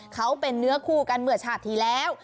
เขาเป็นเนื้อคู่กันเมื่อชาติที่แล้ว